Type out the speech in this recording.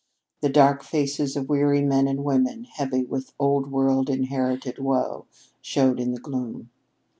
The dark faces of weary men and women, heavy with Old World, inherited woe, showed in the gloom.